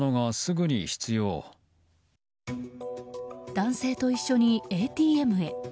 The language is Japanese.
男性と一緒にＡＴＭへ。